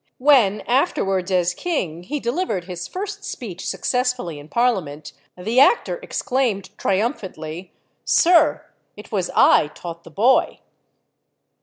When, afterwards, as king, he delivered his first speech successfully in Parliament, the actor exclaimed triumphantly, "Sir, it was I taught the boy."